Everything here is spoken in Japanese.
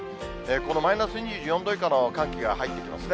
このマイナス２４度以下の寒気が入ってきますね。